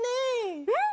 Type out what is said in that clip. うん！